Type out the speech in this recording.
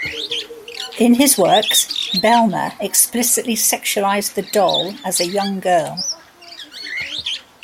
In his works, Bellmer explicitly sexualized the doll as a young girl.